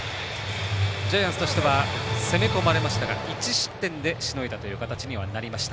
ジャイアンツとしては攻め込まれましたが１失点でしのいだ形になりました。